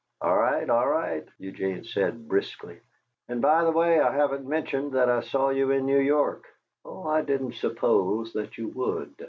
"All right, all right," Eugene said, briskly. "And, by the way, I haven't mentioned that I saw you in New York." "Oh, I didn't suppose that you would."